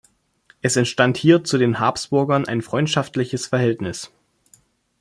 Es entstand hier zu den Habsburgern ein freundschaftliches Verhältnis.